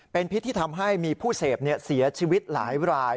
เป็นพิษที่ทำให้มีผู้เสพเสียชีวิตหลายราย